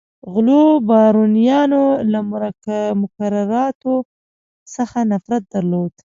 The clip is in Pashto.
غلو بارونیانو له موکراکرانو څخه نفرت درلود.